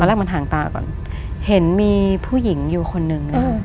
แรกมันห่างตาก่อนเห็นมีผู้หญิงอยู่คนหนึ่ง